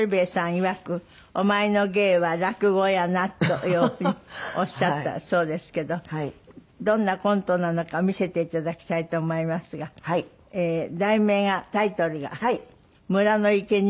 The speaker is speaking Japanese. いわく「お前の芸は落語やな」とおっしゃったそうですけどどんなコントなのか見せていただきたいと思いますが題名がタイトルが「村の生贄」というんですって？